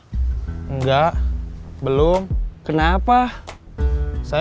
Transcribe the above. barusan kamu gak bilang minta kerjaan